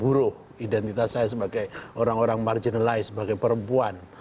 bukan identitas seperti buruh identitas saya sebagai orang orang marginalized sebagai perempuan